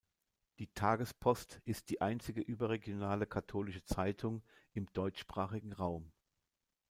Die Tagespost ist die einzige überregionale katholische Zeitung im deutschsprachigen Raum.